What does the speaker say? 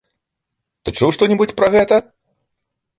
Ты чуў што-небудзь пра гэта?